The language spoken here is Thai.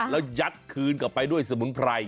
แล้วยัดคืนกลับไปด้วยสมุนไพร